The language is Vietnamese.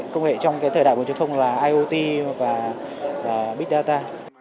công nghệ trong cái thời đại của truyền thông là iot và big data